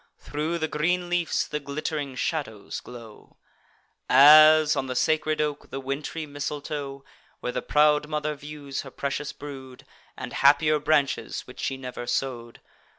Thro' the green leafs the glitt'ring shadows glow; As, on the sacred oak, the wintry mistletoe, Where the proud mother views her precious brood, And happier branches, which she never sow'd.